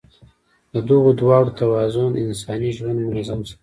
د دغو دواړو توازن انساني ژوند منظم ساتي.